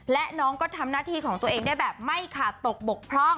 และน้องก็ทำหน้าที่ของตัวเองได้แบบไม่ขาดตกบกพร่อง